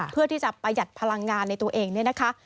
เพื่อที่จะประหยัดพลังงานในตัวเองเนี่ยนะคะ